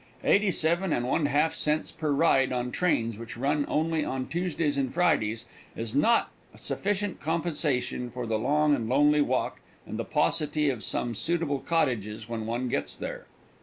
Eighty seven and one half cents per ride on trains which run only on Tuesdays and Fridays is not sufficient compensation for the long and lonely walk and the paucity of some suitable cottages when one gets there.